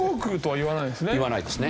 言わないですね。